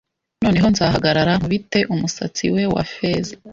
Noneho nzahagarara nkubite umusatsi we wa feza